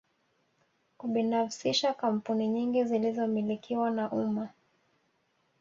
Kubinafsisha kampuni nyingi zilizomilikiwa na umma